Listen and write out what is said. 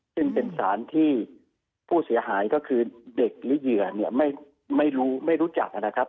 ซึ่งเป็นสารที่ผู้เสียหายก็คือเด็กหรือเหยื่อเนี่ยไม่รู้ไม่รู้จักนะครับ